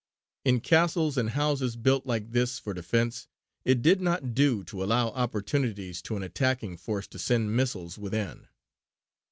In castles and houses built, like this, for defence, it did not do to allow opportunities to an attacking force to send missiles within.